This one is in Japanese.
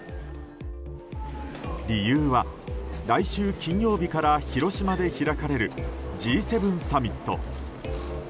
理由は来週金曜日から広島で開かれるＧ７サミット。